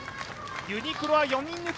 ユニクロは４人抜き。